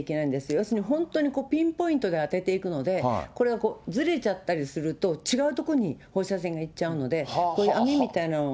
要するに本当に、ピンポイントで当てていくので、これがずれちゃったりすると、違う所に放射線がいっちゃうので、こういう網みたいなのを。